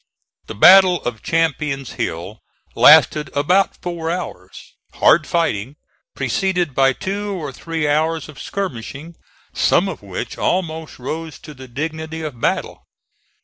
The battle of Champion's Hill lasted about four hours, hard fighting, preceded by two or three hours of skirmishing, some of which almost rose to the dignity of battle.